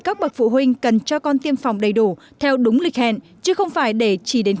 các bậc phụ huynh cần cho con tiêm phòng đầy đủ theo đúng lịch hẹn chứ không phải để chỉ đến